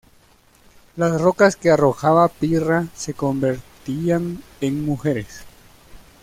Las rocas que arrojaba Pirra se convertían en mujeres.